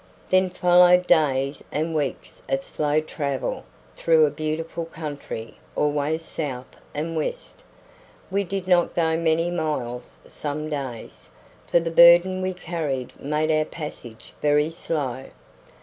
Then followed days and weeks of slow travel through a beautiful country, always south and west. We did not go many miles some days, for the burden we carried made our passage very slow.